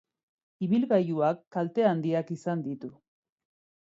Ibilgailuak kalte handiak izan ditu.